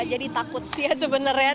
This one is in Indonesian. jadi takut sih sebenarnya